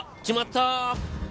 決まった！